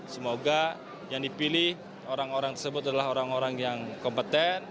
semoga yang dipilih orang orang tersebut adalah orang orang yang kompeten